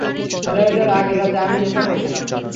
ফ্লাইটের আগের রাতে আমি নেশা করেছিলাম।